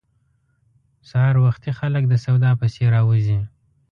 سهار وختي خلک د سودا پسې راوزي.